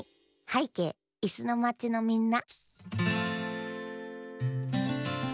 「はいけいいすのまちのみんな」